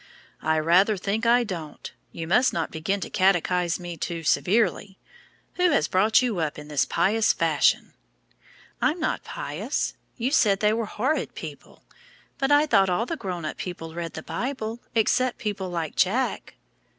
"I rather think I don't. You must not begin to catechise me too severely. Who has brought you up in this pious fashion?" "I'm not pious. You said they were horrid people. But I thought all the grown up people read the Bible, except people like Jack."